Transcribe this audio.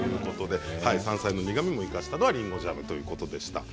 山菜の苦みを生かしたのはりんごジャムということでした。